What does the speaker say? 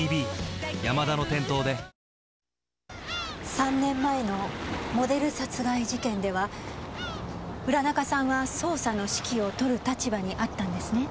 ３年前のモデル殺害事件では浦中さんは捜査の指揮を執る立場にあったんですね？